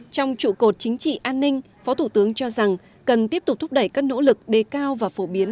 trong trụ cột chính trị an ninh phó thủ tướng cho rằng cần tiếp tục thúc đẩy các nỗ lực đề cao và phổ biến